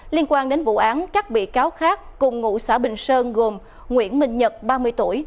liên quan đến vụ án các bị cáo khác cùng ngụ xã bình sơn gồm nguyễn minh nhật ba mươi tuổi